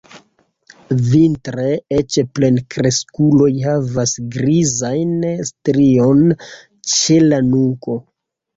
Vintre eĉ plenkreskuloj havas grizajn strion ĉe la nuko.